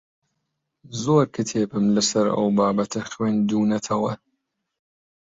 زۆر کتێبم لەسەر ئەو بابەتە خوێندوونەتەوە.